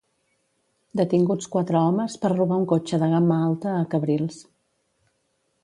Detinguts quatre homes per robar un cotxe de gamma alta a Cabrils.